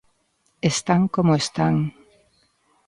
Están como están.